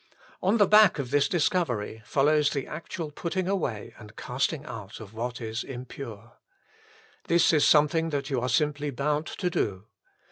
On the back of this discovery follows the actual putting away and casting out of what is impure. This is something that you are simply bound to do.